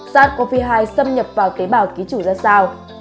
sars cov hai xâm nhập vào tế bào ký chủ ra sao